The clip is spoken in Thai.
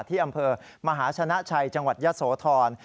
ที่อำเภอมหาชนะชัยจังหวัดยะโสธร